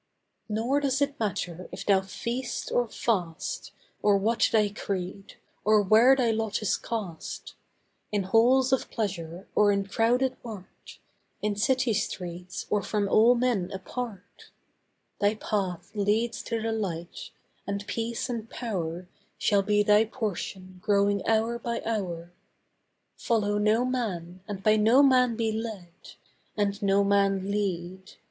Nor does it matter if thou feast, or fast, Or what thy creed—or where thy lot is cast; In halls of pleasure or in crowded mart, In city streets, or from all men apart— Thy path leads to the Light; and peace and power Shall be thy portion, growing hour by hour. Follow no man, and by no man be led. And no man lead.